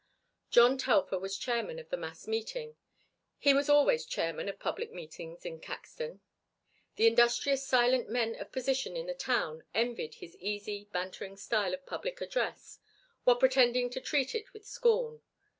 John Telfer was chairman of the mass meeting. He was always chairman of public meetings in Caxton. The industrious silent men of position in the town envied his easy, bantering style of public address, while pretending to treat it with scorn.